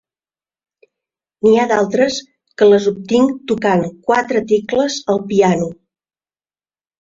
N'hi ha d'altres que les obtinc tocant quatre tecles al piano.